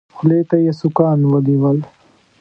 خولې ته يې سوکان ونيول.